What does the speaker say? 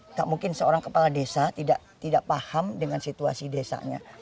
tidak mungkin seorang kepala desa tidak paham dengan situasi desanya